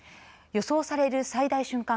予想される最大瞬間